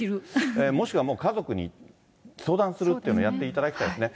もしくは、もう家族に相談するっていうのをやっていただきたいですね。